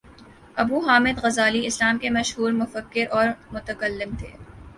ابو حامد غزالی اسلام کے مشہور مفکر اور متکلم تھے